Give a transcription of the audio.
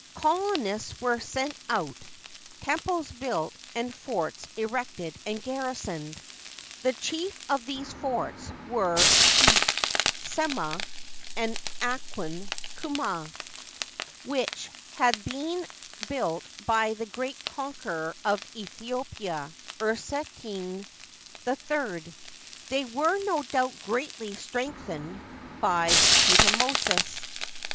Colonists were sent out, temples built, and forts erected and garrisoned. The chief of these forts were Hek (Semneh) and Aqen (Kumneh), which had been built by the great conqueror of Aethiopia, Usertesen III. They were no doubt greatly strengthened by Thutmosis.